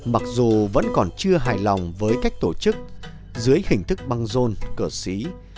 mặc dù vẫn còn chưa hài lòng với cách tổ chức dưới hình thức băng rôn cờ xí